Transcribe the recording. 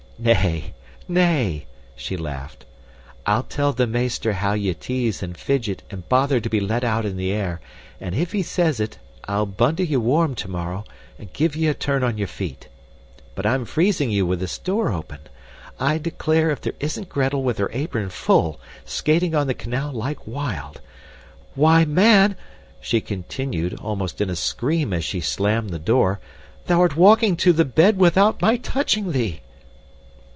"Nay, nay." She laughed. "I'll tell the meester how ye tease and fidget and bother to be let out in the air; and if he says it, I'll bundle ye warm tomorrow and give ye a turn on your feet. But I'm freezing you with this door open. I declare if there isn't Gretel with her apron full, skating on the canal like wild. Why, man," she continued almost in a scream as she slammed the door, "thou'rt walking to the bed without my touching thee!